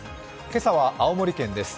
今朝は青森県です。